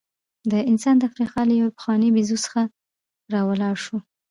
دا انسان د افریقا له یوې پخوانۍ بیزو څخه راولاړ شو.